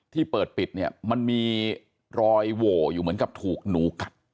ที่เปิดปิดเนี่ยมันมีรอยโหวอยู่เหมือนกับถูกหนูกัด